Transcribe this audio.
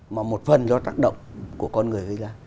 mà một phần do tác động của con người gây ra